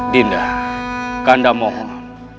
dinda kanda mohon